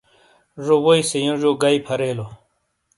زو ووئی سے یونجیو گئیی پھریلو۔